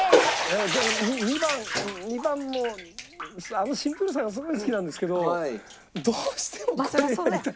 でも２番２番もあのシンプルさがすごい好きなんですけどどうしてもこれやりたくて。